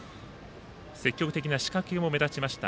積極的な仕掛けも目立ちました。